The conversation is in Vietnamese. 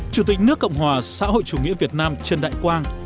chủ tịch nước cộng hòa xã hội chủ nghĩa việt nam trần đại quang